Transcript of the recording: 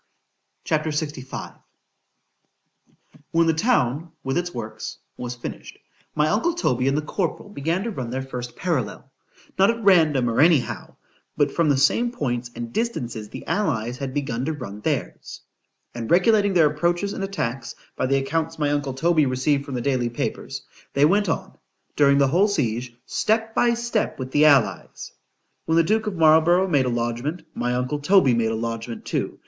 C H A P. LXV WHEN the town, with its works, was finished, my uncle Toby and the corporal began to run their first parallel——not at random, or any how——but from the same points and distances the allies had begun to run theirs; and regulating their approaches and attacks, by the accounts my uncle Toby received from the daily papers,—they went on, during the whole siege, step by step with the allies. When the duke of Marlborough made a lodgment,——my uncle Toby made a lodgment too.